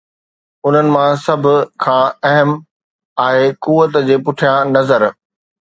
انهن مان سڀ کان اهم آهي قوت جي پٺيان نظر.